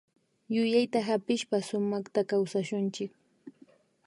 Yuyayta hapishpa sumakta kawsashunchik